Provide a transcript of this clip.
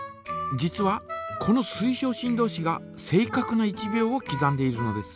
実はこの水晶振動子が正かくな１秒をきざんでいるのです。